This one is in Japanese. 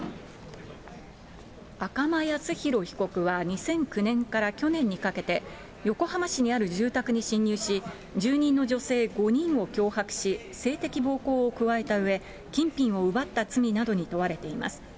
赤間靖浩被告は２００９年から去年にかけて、横浜市にある住宅に侵入し、住人の女性５人を脅迫し、性的暴行を加えたうえ、金品を奪った罪などに問われています。